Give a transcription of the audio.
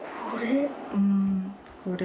これ。